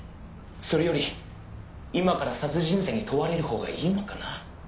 「それより今から殺人罪に問われるほうがいいのかな？」